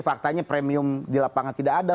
faktanya premium di lapangan tidak ada